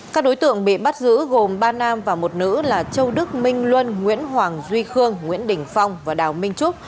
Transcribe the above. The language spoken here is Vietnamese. các đối tượng bị bắt giữ gồm ba nam và một nữ là châu đức minh luân nguyễn hoàng duy khương nguyễn đình phong và đào minh trúc